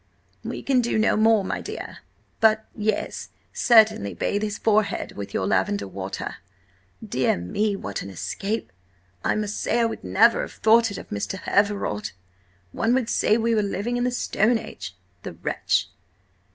"We can do no more, my dear–but, yes–certainly bathe his forehead with your lavender water. Dear me, what an escape! I must say I would never have thought it of Mr. Everard! One would say we were living in the Stone Age! The wretch!"